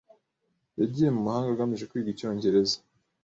Yagiye mu mahanga agamije kwiga icyongereza.